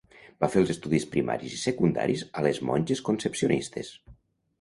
Va fer els estudis primaris i secundaris a les monges Concepcionistes.